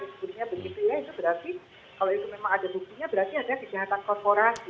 sebenarnya begitu ya itu berarti kalau itu memang ada buktinya berarti ada kejahatan korporasi